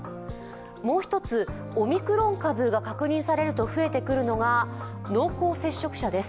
もう一つ、オミクロン株が確認されると増えてくるのが、濃厚接触者です。